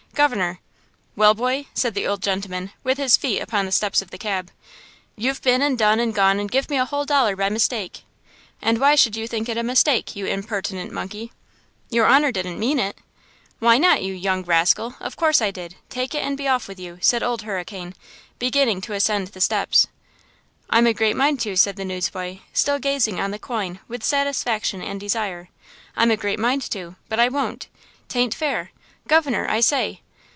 "Governor!" "Well, boy?" said the old gentleman, with his feet upon the steps of the cab. "You've been and done and gone and give me a whole dollar by mistake!" "And why should you think it a mistake, you impertinent monkey?" "Your honor didn't mean it?" "Why not, you young rascal? Of course I did. Take it and be off with you!" said Old Hurricane, beginning to ascend the steps. "I'm a great mind to," said the newsboy, still gazing on the coin with satisfaction and desire– "I'm a great mind to; but I won't! 'taint fair! Governor, I say!"